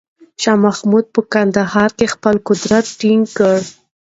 شاه محمود په کندهار کې خپل قدرت ټینګ کړ.